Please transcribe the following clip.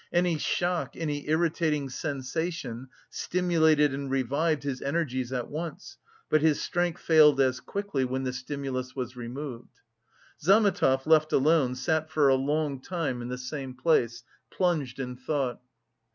Any shock, any irritating sensation stimulated and revived his energies at once, but his strength failed as quickly when the stimulus was removed. Zametov, left alone, sat for a long time in the same place, plunged in thought.